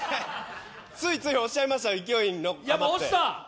ついつい押しちゃいました、勢い余って。